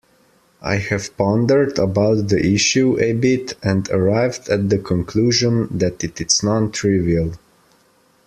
I have pondered about the issue a bit and arrived at the conclusion that it is non-trivial.